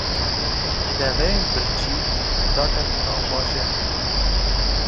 Deveyên birçî daketin nav bajêr.